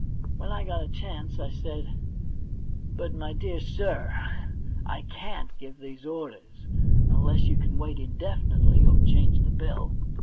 When I got a chance I said : 'But, my dear sir, I can't give these orders, unless you can wait indefinitely, or change the bill.'